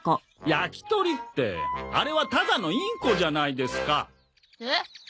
焼き鳥ってあれはただのインコじゃないですか。おっ？